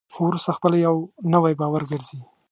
خو وروسته خپله یو نوی باور ګرځي.